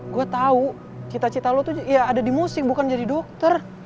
gue tahu cita cita lu tuh ada di musik bukan jadi dokter